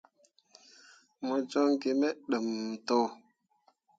Mo joŋ gi me daaǝǝm to.